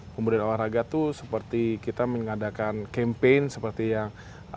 kemudian olahraga itu seperti kita mengadakan campaign seperti yang